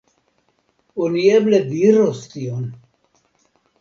Oni eble diros tion.